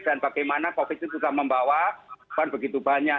dan bagaimana covid itu sudah membawa keban begitu banyak